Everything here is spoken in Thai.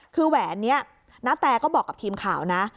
คือแหวนนี้ณแตก็บอกกับทีมข่าวนะ